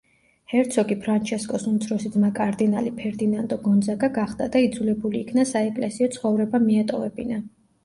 ჰერცოგი ფრანჩესკოს უმცროსი ძმა კარდინალი ფერდინანდო გონძაგა გახდა და იძულებული იქნა საეკლესიო ცხოვრება მიეტოვებინა.